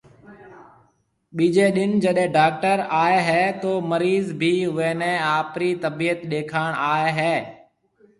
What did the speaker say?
ٻِيجيَ ڏن جڏي ڊاڪٽر آئي هيَ تو مريض ڀِي اُوئي نَي آپرِي تبِيت ڏيکاڻ آئي هيَ۔